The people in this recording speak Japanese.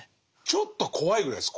ちょっと怖いぐらいです